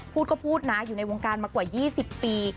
พูดก็พูดนะอยู่ในวงการมากว่า๒๐ปี